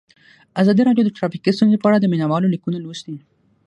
ازادي راډیو د ټرافیکي ستونزې په اړه د مینه والو لیکونه لوستي.